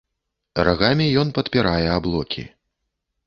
Рагамі ён падпірае аблокі.